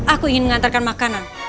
aku ingin mengantarkan makanan